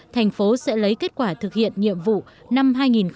thành phố sẽ lấy kết quả thực hiện nhiệm vụ năm hai nghìn một mươi tám